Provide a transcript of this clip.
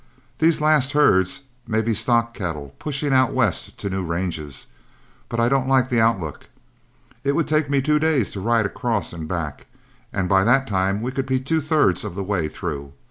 These last herds may be stock cattle, pushing out west to new ranges; but I don't like the outlook. It would take me two days to ride across and back, and by that time we could be two thirds of the way through.